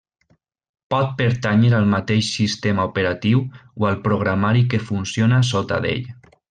Pot pertànyer al mateix sistema operatiu, o al programari que funciona sota d'ell.